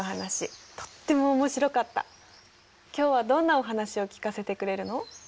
今日はどんなお話を聞かせてくれるの？